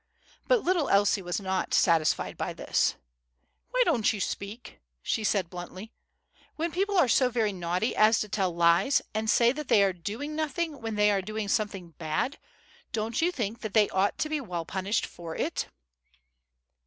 But little Elsie was not satisfied by this. "Why don't you speak?" she said bluntly. "When people are so very naughty as to tell lies, and say that they are doing nothing when they are doing something bad, don't you think that they ought to be well punished for it?"